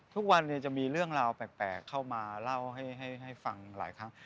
ทุกวันจะมีเรื่องราวแปลกเข้ามาเล่าให้ฟังหลายครั้ง